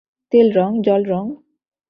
তেল রং, জল রং?